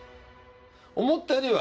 「思ったよりは」。